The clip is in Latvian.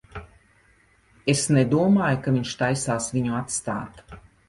Es nedomāju, ka viņš taisās viņu atstāt.